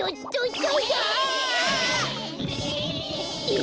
え。